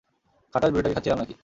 খাটাস বুড়িটাকে খাচ্ছিলাম না-কি!